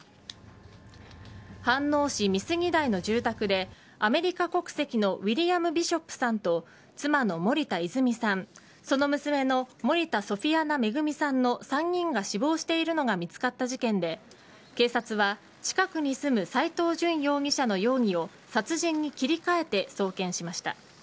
飯能市美杉台の住宅でアメリカ国籍のウィリアム・ビショップさんと妻の森田泉さんその娘の森田ソフィアナ恵さんの３人が死亡しているのが見つかった事件で警察は近くに住む斎藤淳容疑者の容疑を殺人に切り替えて送検しました。